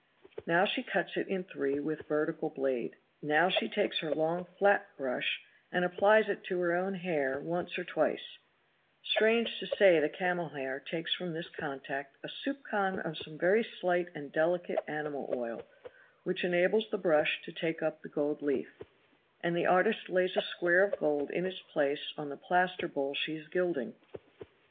Now she cuts it in three with vertical blade; now she takes her long flat brush and applies it to her own hair once or twice; strange to say the camel hair takes from this contact a soupcon of some very slight and delicate animal oil, which enables the brush to take up the gold leaf, and the artist lays a square of gold in its place on the plaster bull she is gilding.